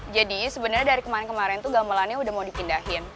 jadi sebenernya dari kemarin kemarin tuh gamelannya udah mau dipindahin